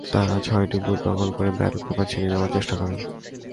তাঁরা ছয়টি বুথ দখল করে ব্যালট পেপার ছিনিয়ে নেওয়ার চেষ্টা করেন।